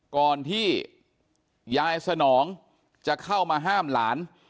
ก่อนที่ยายสนองจะเข้ามาห้ามหลาน